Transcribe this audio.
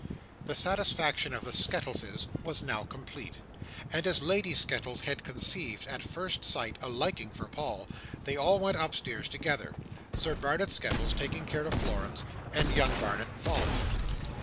The satisfaction of the Skettleses was now complete. And as Lady Skettles had conceived, at first sight, a liking for Paul, they all went upstairs together: Sir Barnet Skettles taking care of Florence, and young Barnet following.